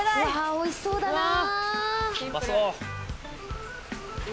おいしそうだなぁ。